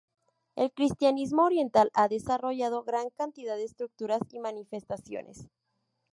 El cristianismo oriental ha desarrollado gran cantidad de estructuras y manifestaciones.